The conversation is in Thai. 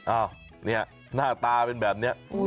อ้าวเนี่ยหน้าตาเป็นแบบนี้